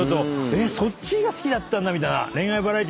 そっちが好きだったんだ⁉みたいな。